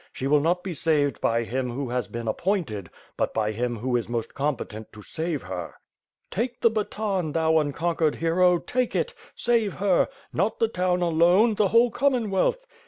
She will not be saved by him who has been appointed, but by him who is most competent to save her." "Take the baton, thou unconquered hero! Take it! Save her! Not the town alone, the whole Commonwealth.